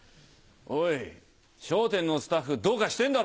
おい『笑点』のスタッフどうかしてんだろ！